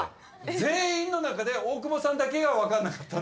全員の中で大久保さんだけが分かんなかった。